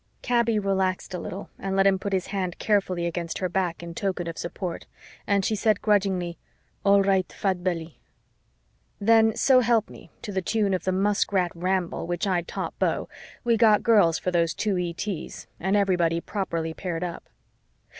Kaby relaxed a little and let him put his hand carefully against her back in token of support and she said grudgingly, "All right, Fat Belly." Then, so help me, to the tune of the Muskrat Ramble, which I'd taught Beau, we got girls for those two ETs and everybody properly paired up.